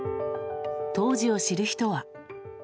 当時を知る人は。